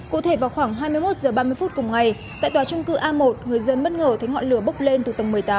cụ thể vào khoảng hai mươi một h ba mươi phút cùng ngày tại tòa trung cư a một người dân bất ngờ thấy ngọn lửa bốc lên từ tầng một mươi tám